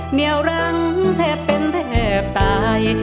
เหนียวรังแทบเป็นแทบตาย